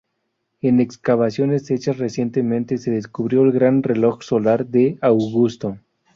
En excavaciones hechas recientemente se descubrió el gran reloj solar de Augusto.